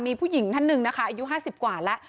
มีผู้หญิงท่าน๑อายุ๕๐กว่าแล้ว